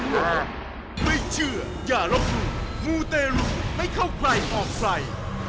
ไม่เชื่ออย่าลบลูกมูเตลูกไม่เข้าใกล้ออกไฟ